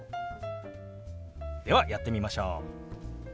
ではやってみましょう！